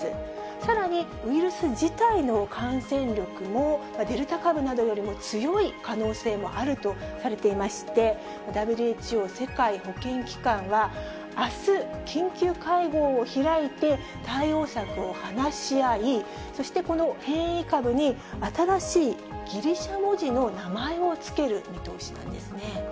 さらに、ウイルス自体の感染力も、デルタ株などよりも強い可能性もあるとされていまして、ＷＨＯ・世界保健機関はあす、緊急会合を開いて、対応策を話し合い、そして、この変異株に新しいギリシャ文字の名前を付ける見通しなんですね。